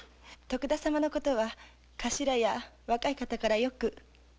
徳田様の事は頭や若い人からよく。